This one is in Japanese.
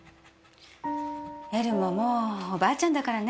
エルももうおばあちゃんだからね。